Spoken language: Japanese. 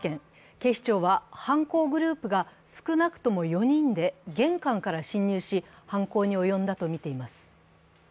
警視庁は犯行グループが少なくとも４人で玄関から侵入し、犯行に及んだとみています。